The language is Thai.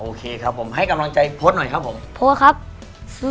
โอเคครับผมให้กำลังใจโพสต์หน่อยครับผม